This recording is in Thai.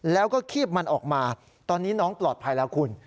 แล้วก็คีบมันออกมาตอนนี้น้องปลอดภัยแล้วคุณ